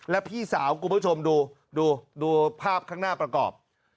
แล้วพี่สาวคุณผู้ชมดูดูภาพข้างหน้าประกอบ